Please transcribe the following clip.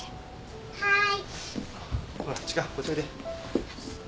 はい。